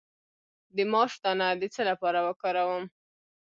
د ماش دانه د څه لپاره وکاروم؟